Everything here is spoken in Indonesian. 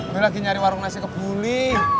gue lagi nyari warung nasi kebuli